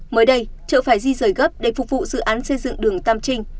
mới đây chợ phải di rời gấp để phục vụ dự án xây dựng đường tam trinh